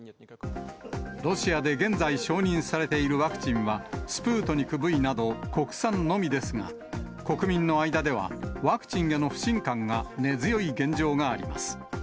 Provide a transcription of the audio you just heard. ロシアで現在承認されているワクチンは、スプートニクＶなど、国産のみですが、国民の間では、ワクチンへの不信感が根強い現状があります。